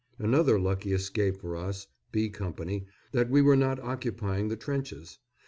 Another lucky escape for us (B Co.) that we were not occupying the trenches.